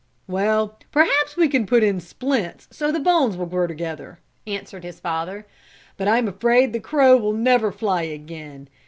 "Well, perhaps we can put it in splints so the bones will grow together," answered his father. "But I'm afraid the crow will never fly again.